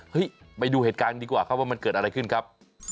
ไปดูเหตุการณ์ดีกว่าครับว่ามันเกิดอะไรขึ้นครับ